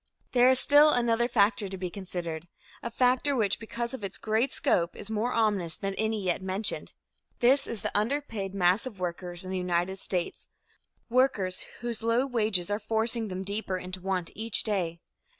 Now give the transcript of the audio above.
There is still another factor to be considered a factor which because of its great scope is more ominous than any yet mentioned. This is the underpaid mass of workers in the United States workers whose low wages are forcing them deeper into want each day.